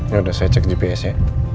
yaudah saya cek gps ya